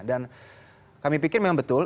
dan kami pikir memang betul